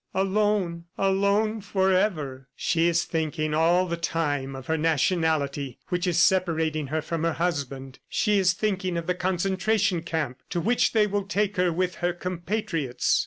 ... Alone! ... Alone forever!" ... "She is thinking all the time of her nationality which is separating her from her husband; she is thinking of the concentration camp to which they will take her with her compatriots.